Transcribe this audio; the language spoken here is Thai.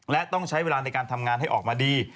และต้องใช้เวลาในการทำงานให้ออกมาดี